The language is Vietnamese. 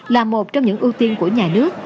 là một trong những ưu tiên của nhà nước